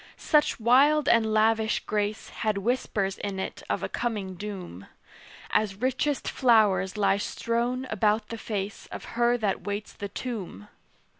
Such wild and lavish grace Had whispers in it of a coming doom; As richest flowers lie strown about the face Of her that waits the tomb.